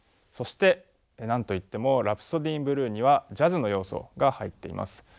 そして何と言っても「ラプソディー・イン・ブルー」にはジャズの要素が入っています。